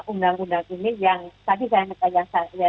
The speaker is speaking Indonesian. undang undang ini yang tadi saya